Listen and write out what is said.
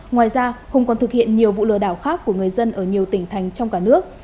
ngoài ra hùng còn thực hiện nhiều vụ lừa đảo khác của người dân ở nhiều tỉnh thành trong cả nước